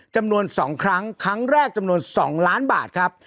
จำนวน๒ครั้งครั้งแรกจำนวน๒ล้านบาทครับ